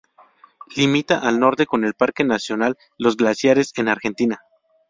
Limita al norte con el Parque nacional Los Glaciares, en Argentina.